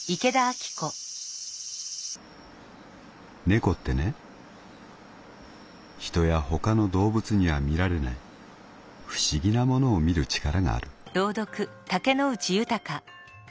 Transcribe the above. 「猫ってね人や他の動物には見られない不思議なものを見る力がある」。